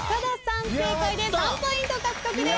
正解で３ポイント獲得です。